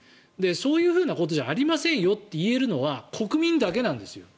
そういうことじゃありませんよと言えるのは国民だけなんですよ。